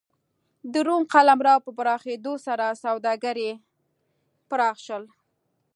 د روم قلمرو په پراخېدو سره سوداګري پراخ شول.